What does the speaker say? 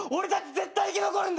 絶対生き残るぞ！